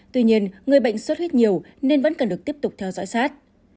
tuy nhiên người bệnh sốt huyết nhiều nên vẫn cần được tiếp tục theo dõi sát